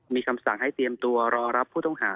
มีคำสั่งให้เตรียมตัวรอรับผู้ต้องหา